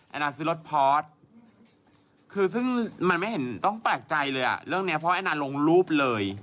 นางซื้อรถพอร์ตคือซึ่งมันไม่เห็นต้องแปลกใจเลยอ่ะเรื่องนี้เพราะแอนนาลงรูปเลย